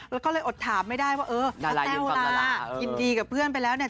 แล้วก็เลยอดถามไม่ได้ว่าเออถ้าแต้วล่ะยินดีกับเพื่อนไปแล้วเนี่ย